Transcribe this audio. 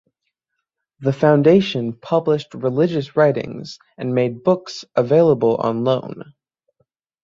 The foundation published religious writings and made books available on loan.